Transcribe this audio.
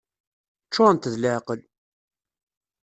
Ččurent d leεqel!